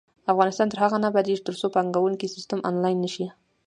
افغانستان تر هغو نه ابادیږي، ترڅو بانکي سیستم آنلاین نشي.